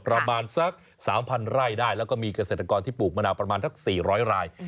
ประมาณสัก๓๐๐ไร่ได้แล้วก็มีเกษตรกรที่ปลูกมะนาวประมาณสัก๔๐๐ราย